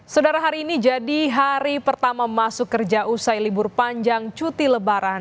saudara hari ini jadi hari pertama masuk kerja usai libur panjang cuti lebaran